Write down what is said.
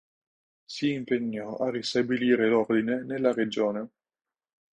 Si impegnò a ristabilire l'ordine nella regione.